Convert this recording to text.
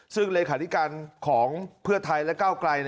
ซึ่งเลขาธิการของเพื่อไทยและก้าวไกล